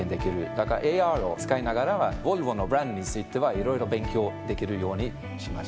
だからＡＲを使いながらボルボのブランドについては色々勉強できるようにしました。